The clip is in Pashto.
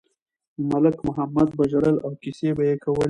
ملک محمد به ژړل او کیسې یې کولې.